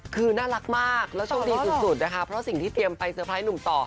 คือน่ารักมากแล้วโชคดีสุดนะคะเพราะสิ่งที่เตรียมไปเตอร์ไพรส์หนุ่มต่อ